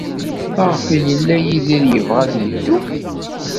Maɣef ay yella Yidir yebɣa ad yeddu?